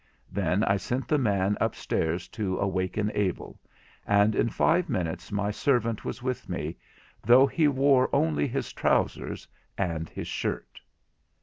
Then I sent the man up stairs to awaken Abel, and in five minutes my servant was with me, though he wore only his trousers and his shirt.